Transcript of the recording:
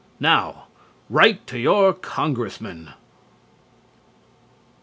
Now write to your congressman!